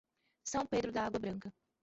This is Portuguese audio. São Pedro da Água Branca